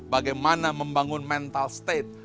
bagaimana membangun mental state